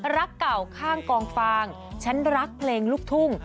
รักเก่าข้างกองฟางฉันรักเพลงลูกทุ่ง